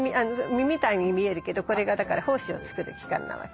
実みたいに見えるけどこれがだから胞子を作る器官なわけ。